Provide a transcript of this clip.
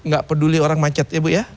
gak peduli orang macet ya bu ya